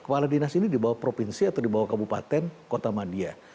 kepala dinas ini di bawah provinsi atau di bawah kabupaten kota madia